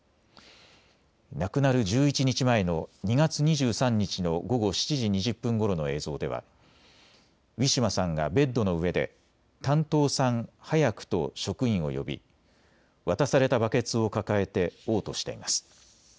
亡くなる１１日前の２月２３日の午後７時２０分ごろの映像ではウィシュマさんがベッドの上で担当さん、早くと職員を呼び渡されたバケツを抱えておう吐しています。